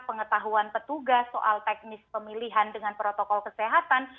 pengetahuan petugas soal teknis pemilihan dengan protokol kesehatan